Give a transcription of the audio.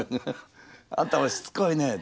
「あんたもしつこいね。